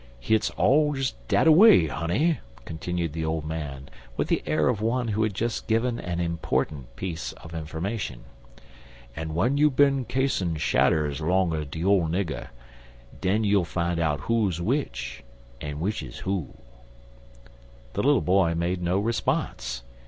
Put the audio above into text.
"Hit's all des dat away, honey," continued the old man, with the air of one who had just given an important piece of information. "En w'en you bin cas'n shadders long ez de ole nigger, den you'll fine out who's w'ich, en w'ich's who." The little boy made no response.